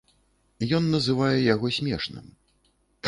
Ён называе яго смешным.